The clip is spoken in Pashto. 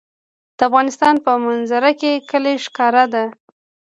د افغانستان په منظره کې کلي ښکاره ده.